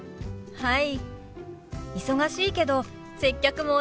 はい。